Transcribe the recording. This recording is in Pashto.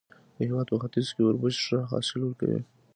د هېواد په ختیځ کې اوربشې ښه حاصل ورکوي.